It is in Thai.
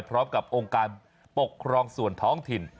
พร้อมกับองค์การปกครองส่วนท้องถิ่น